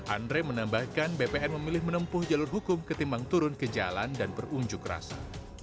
andre menambahkan bpn memilih menempuh jalur hukum ketimbang turun ke jalan dan berunjuk rasa